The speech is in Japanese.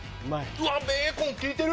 うわーベーコン利いてる！